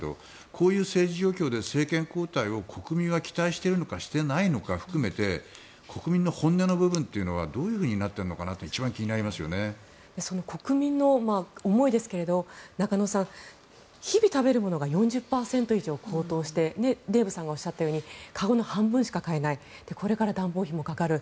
こういう政治状況で政権交代を国民は期待しているのかしていないのかを含めて国民の本音の部分というのはどうなっているのかなというのがその国民の思いですが中野さん、日々食べるものが４０％以上高騰してデーブさんがおっしゃったように籠の半分しか買えないこれから暖房費もかかる。